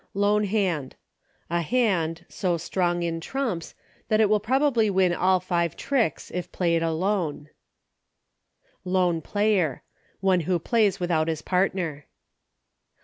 Lone Hand. A hand, so strong in trumps, that it will probably win all five tricks if Played Alone. TECHNICALITIES. 83 Lone Player. One who plays without his partner.